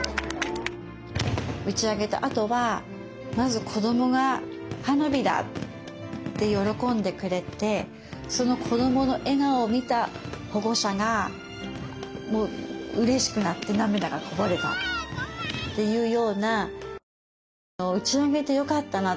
打ち上げたあとはまず子供が「花火だ」って喜んでくれてその子供の笑顔を見た保護者がもううれしくなって涙がこぼれたっていうような打ち上げてよかったな。